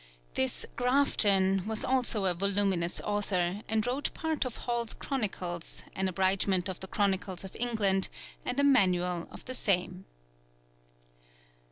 This Grafton was also a voluminous author, and wrote part of Hall's Chronicles, an abridgment of the Chronicles of England, and a manual of the same.